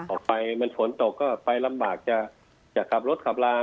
ออกไปมันฝนตกก็ไปลำบากจะขับรถขับลา